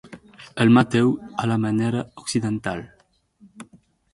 El mateu a la manera occidental.